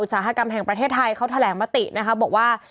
สาหกรรมแห่งประเทศไทยเขาแถลงมตินะคะบอกว่า